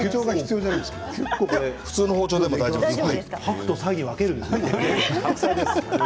普通の包丁でも大丈夫ですよ。